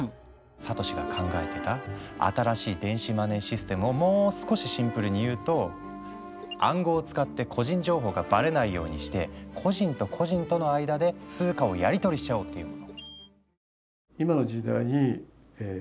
サトシが考えてた新しい電子マネーシステムをもう少しシンプルに言うと暗号を使って個人情報がばれないようにして個人と個人との間で通貨をやり取りしちゃおうっていうもの。